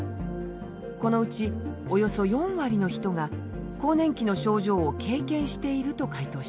このうちおよそ４割の人が更年期の症状を経験していると回答しました。